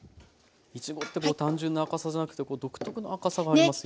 いちごって単純な赤さじゃなくてこう独特な赤さがありますよね。ね！